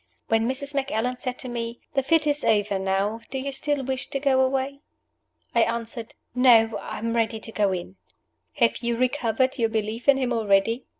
When Mrs. Macallan said to me, "The fit is over now; do you still wish to go away?" I answered, "No; I am ready to go in." "Have you recovered your belief in him already?"